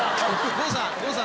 郷さん。